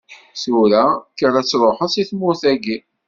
Tura, kker ad tṛuḥeḍ si tmurt-agi.